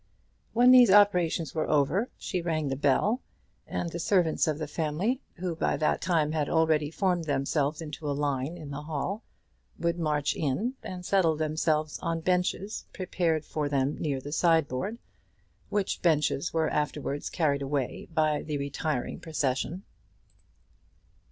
When these operations were over she rang the bell, and the servants of the family, who by that time had already formed themselves into line in the hall, would march in, and settle themselves on benches prepared for them near the side board, which benches were afterwards carried away by the retiring procession.